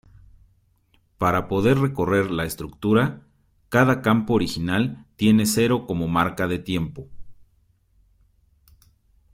Para poder recorrer la estructura, cada campo original tiene cero como marca de tiempo.